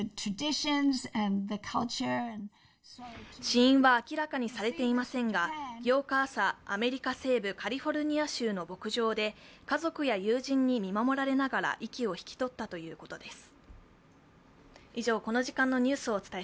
死因は明らかにされていませんが８日朝、アメリカ西部カリフォルニア州の牧場で家族や友人に見守られながら息を引き取ったということです。